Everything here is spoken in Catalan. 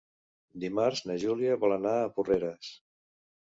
Dimarts na Júlia vol anar a Porreres.